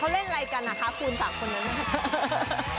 เขาเล่นอะไรกันนะคะคูณ๓คนนั้น